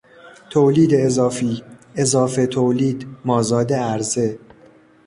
تولید اضافی، اضافه تولید، مازاد عرضه